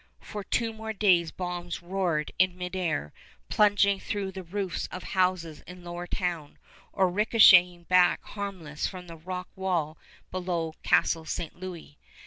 For two more days bombs roared in midair, plunging through the roofs of houses in Lower Town or ricochetting back harmless from the rock wall below Castle St. Louis.